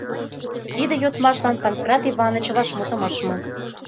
Тиде йодмашлан Панкрат Иваныч вашмутым ыш му.